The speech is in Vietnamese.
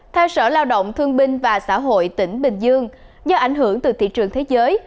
theo sở lao động thương binh và xã hội tỉnh bình dương do ảnh hưởng từ thị trường thế giới